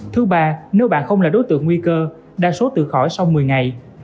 thứ ba nếu bạn không là đối tượng nguy cơ đa số tự khỏi sau một mươi ngày